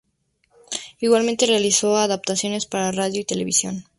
Igualmente realizó adaptaciones para radio y televisión.